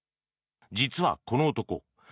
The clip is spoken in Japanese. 実はこの男